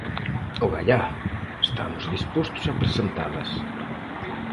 ¡Ogallá!, estamos dispostos a presentalas.